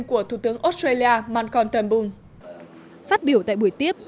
của thủ tướng australia malcolm turnbull phát biểu tại buổi tiếp